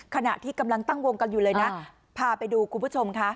ขณะที่กำลังตั้งวงกันอยู่เลยนะพาไปดูคุณผู้ชมค่ะ